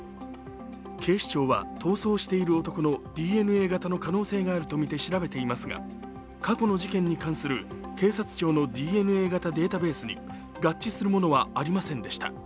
警視庁は逃走している男のＤＮＡ型とみて調べていますが過去の事件に関する警察庁のＤＮＡ型データベースに合致するものはありませんでした。